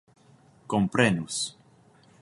komprenus